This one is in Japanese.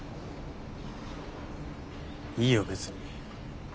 いいよ別に。